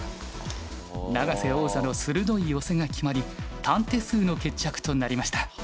永瀬王座の鋭い寄せが決まり短手数の決着となりました。